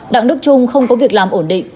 đặng đức trung không có việc làm ổn định